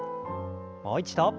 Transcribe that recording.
もう一度。